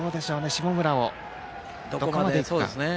下村をどこまでいくか。